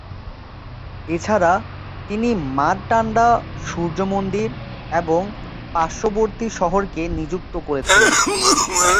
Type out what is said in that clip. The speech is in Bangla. এছাড়া, তিনি মারটান্ডা সূর্য মন্দির এবং পার্শ্ববর্তী শহরকে নিযুক্ত করেছিলেন।